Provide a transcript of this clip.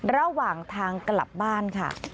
ระหว่างทางกลับบ้านค่ะ